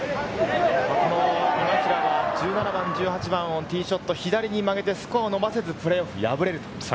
この今平は１７番、１８番をティーショット、左に曲げてスコアを伸ばせずプレーオフ敗れると。